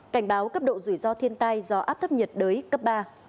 cảnh báo cấp độ rủi ro thiên tai do áp thấp nhiệt đới cấp ba